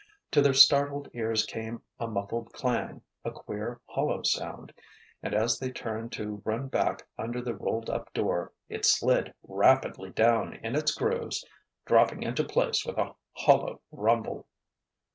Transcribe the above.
To their startled ears came a muffled clang, a queer, hollow sound—and as they turned to run back under the rolled up door, it slid rapidly down in its grooves, dropping into place with a hollow rumble.